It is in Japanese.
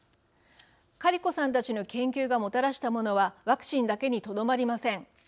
カリコさんたちの研究がもたらしたものはワクチンだけにとどまりません。